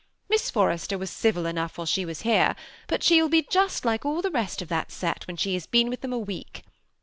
Miss Forrester was civil enough while she was here,. but she THE BEMI ATTACHED COUPLE. 253 will be just like all the rest of that set when she has been with them a week.